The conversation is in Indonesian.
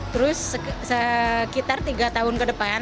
terus sekitar tiga tahun ke depan